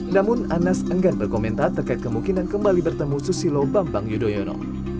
namun anas enggan berkomentar terkait kemungkinan kembali bertemu susilo bambang yudhoyono